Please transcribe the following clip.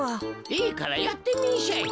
いいからやってみんしゃい。